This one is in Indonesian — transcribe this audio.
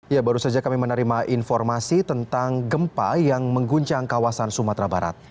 ya baru saja kami menerima informasi tentang gempa yang mengguncang kawasan sumatera barat